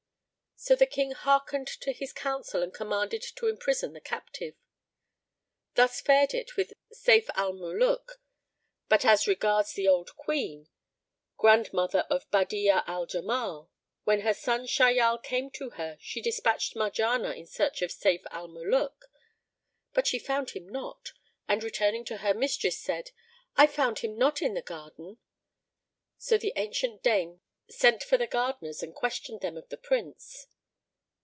So the King hearkened to his counsel and commanded to imprison the captive. Thus fared it with Sayf al Muluk; but as regards the old Queen, grandmother of Badi'a al Jamal, when her son Shahyal came to her she despatched Marjanah in search of Sayf al Muluk; but she found him not and returning to her mistress, said, "I found him not in the garden." So the ancient dame sent for the gardeners and questioned them of the Prince.